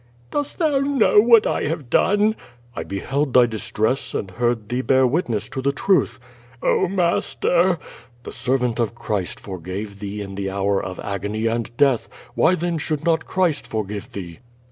"Dost thou know what I have done?" "I beheld thv distress, and heard thee bear witness to the truth." "Oh, master!'' "The servant of Christ forgave thee in the hour of agony and death. Why then should not Christ forgive thee?"